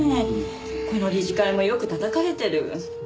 この理事会もよくたたかれてる。